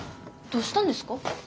どうしたんですか？